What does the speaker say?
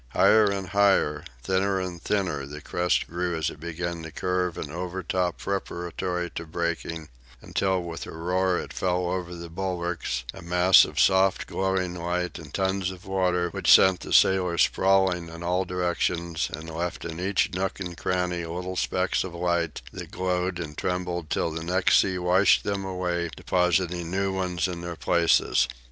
Higher and higher, thinner and thinner, the crest grew as it began to curve and overtop preparatory to breaking, until with a roar it fell over the bulwarks, a mass of soft glowing light and tons of water which sent the sailors sprawling in all directions and left in each nook and cranny little specks of light that glowed and trembled till the next sea washed them away, depositing new ones in their places.